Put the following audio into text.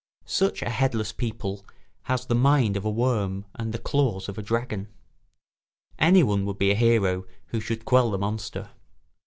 Such a headless people has the mind of a worm and the claws of a dragon. Anyone would be a hero who should quell the monster.